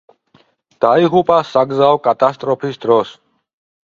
დაიღუპა საგზაო კატასტროფის დროს.